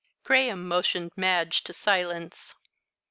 Graham motioned Madge to silence.